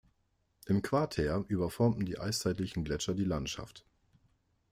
Im Quartär überformten die eiszeitlichen Gletscher die Landschaft.